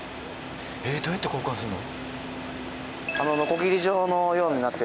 えーっどうやって交換するの？